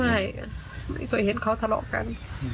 ไม่เคยเห็นเขาทะเลาะกัน